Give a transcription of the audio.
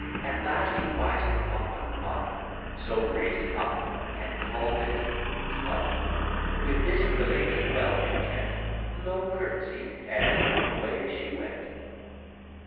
At last he wisely thought on mud; So raised it up, and call'd it Cludd. With this, the lady well content, Low curtsey'd, and away she went.